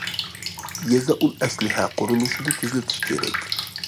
يېزا ئۇل ئەسلىھە قۇرۇلۇشىنى تېزلىتىش كېرەك.